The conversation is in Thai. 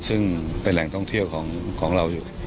ซึ่งเป็นแหล่งท่องเที่ยวของเราอยู่